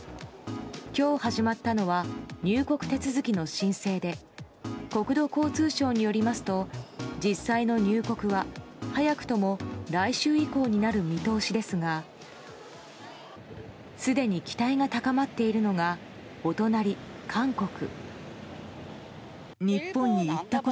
今日始まったのは入国手続きの申請で国土交通省によりますと実際の入国は早くとも来週以降になる見通しですがすでに期待が高まっているのがお隣、韓国。